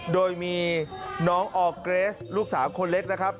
โดยมีน้องออร์เกรสลูกสาวคนเล็กนะครับ